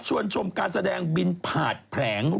ชวนชมการแสดงบินผาดแผง